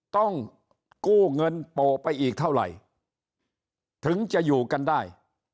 ต้องกู้เงินโปะไปอีกเท่าไหร่ถึงจะอยู่กันได้